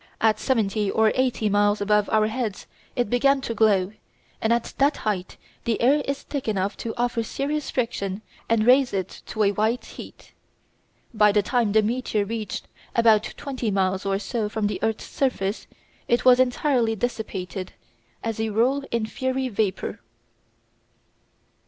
At seventy or eighty miles above our heads it began to glow, as at that height the air is thick enough to offer serious friction and raise it to a white heat. By the time the meteor reached about twenty miles or so from the earth's surface it was entirely dissipated, as a rule in fiery vapour.